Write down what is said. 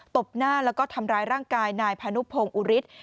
บหน้าแล้วก็ทำร้ายร่างกายนายพานุพงศ์อุฤทธิ์